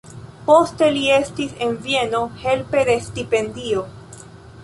Poste li estis en Vieno helpe de stipendio.